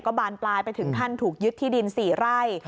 บานปลายไปถึงขั้นถูกยึดที่ดิน๔ไร่